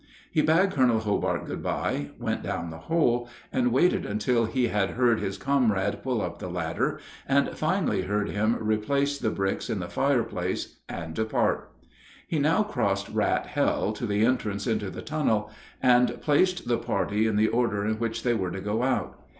He bade Colonel Hobart good by, went down the hole, and waited until he had heard his comrade pull up the ladder, and finally heard him replace the bricks in the fireplace and depart. He now crossed Rat Hell to the entrance into the tunnel, and placed the party in the order in which they were to go out.